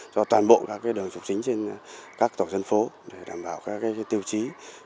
cho toàn bộ các đường trục chính trên các tổ dân phố để đảm bảo các tiêu chí